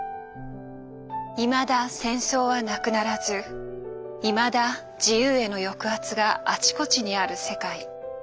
いまだ戦争はなくならずいまだ自由への抑圧があちこちにある世界。